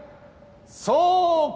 そうか！